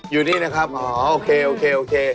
อยู่นี่นะครับอ๋อโอเค